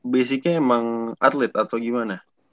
basicnya emang atlet atau gimana